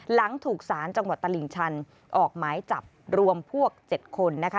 หลังถูกสารจังหวัดตลิ่งชันออกหมายจับรวมพวก๗คนนะคะ